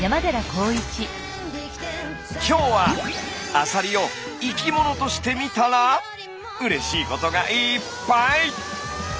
今日はアサリを生き物として見たらうれしいことがいっぱい！